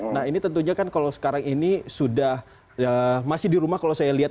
nah ini tentunya kan kalau sekarang ini sudah masih di rumah kalau saya lihat